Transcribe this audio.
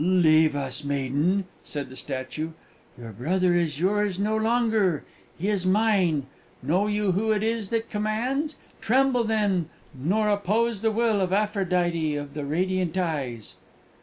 "Leave us, maiden!" said the statue. "Your brother is yours no longer, he is mine. Know you who it is that commands? Tremble then, nor oppose the will of Aphrodite of the radiant eyes!"